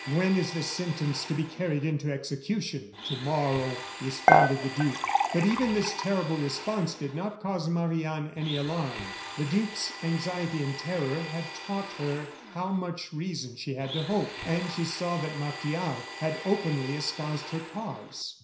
When is this sentence to be carried into execution?" "To morrow," responded the duke. But even this terrible response did not cause Marie Anne any alarm. The duke's anxiety and terror had taught her how much reason she had to hope; and she saw that Martial had openly espoused her cause.